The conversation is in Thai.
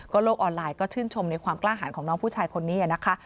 โลกออนไลน์ก็ชื่นชมในความกล้าหารของน้องผู้ชายคนนี้นะคะ